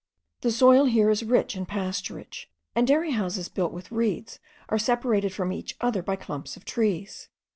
The soil here is rich in pasturage, and dairy houses built with reeds, are separated from each other by clumps of trees.